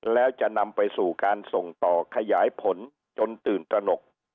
แล้วจะนำไปสู่การส่งต่อขยายผลจนตื่นตระหนก